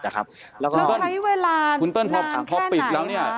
แล้วใช้เวลานานแค่ไหนครับ